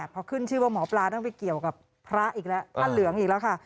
พอขึ้นชื่อว่าหมอปลาต้องไปเกี่ยวกับพระอีกแล้วพระเหลืองอีกแล้วค่ะ